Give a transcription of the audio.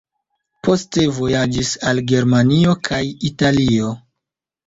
Poste li vojaĝis al Germanio kaj Italio.